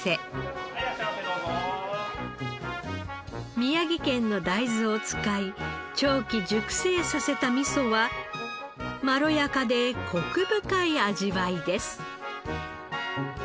宮城県の大豆を使い長期熟成させた味噌はまろやかでコク深い味わいです。